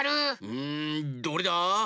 うんどれだ？